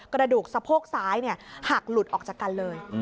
กระดูกสะโพกซ้ายหักหลุดออกจากกันเลย